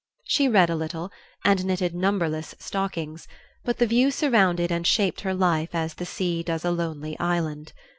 She read a little, and knitted numberless stockings; but the view surrounded and shaped her life as the sea does a lonely island.